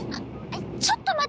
ちょっとまってね！